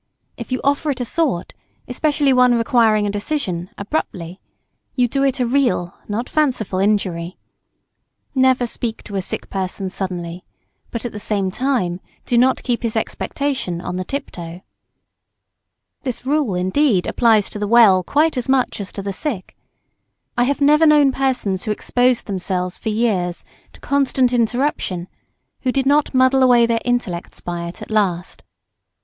If you offer it a thought, especially one requiring a decision, abruptly, you do it a real not fanciful injury. Never speak to a sick person suddenly; but, at the same time, do not keep his expectation on the tiptoe. [Sidenote: And to well.] This rule, indeed, applies to the well quite as much as to the sick. I have never known persons who exposed themselves for years to constant interruption who did not muddle away their intellects by it at last.